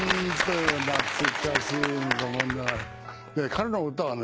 彼の歌はね